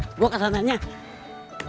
kalo dari jurnal kesehatan yang bapak baca